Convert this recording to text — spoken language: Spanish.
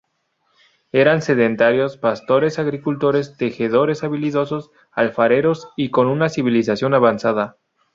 Eran sedentarios, pastores, agricultores, tejedores habilidosos, alfareros y con una civilización avanzada.